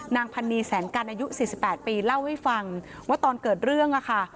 นางพันนีแสนกันอายุ๔๘ปีเล่าให้ฟังว่าตอนเกิดเรื่องอะค่ะ